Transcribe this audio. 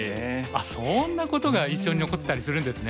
あっそんなことが印象に残ってたりするんですね。